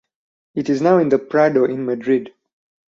It is now in the Prado in Madrid.